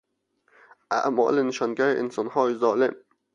اعمال نشانگر انسانهای ظالم